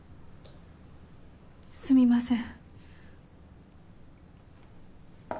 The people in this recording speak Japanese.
すみません